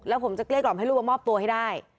แล้วผมจะเกลี้กล่อมให้ลูกมามอบตัวให้ได้